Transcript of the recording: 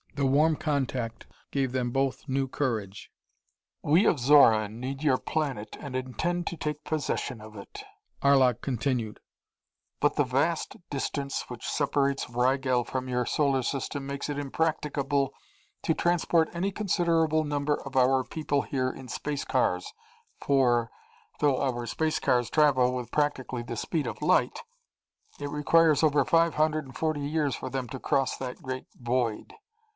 The warm contact gave them both new courage. "We of Xoran need your planet and intend to take possession of it," Arlok continued, "but the vast distance which separates Rigel from your solar system makes it impracticable to transport any considerable number of our people here in space cars for, though our space cars travel with practically the speed of light, it requires over five hundred and forty years for them to cross that great void.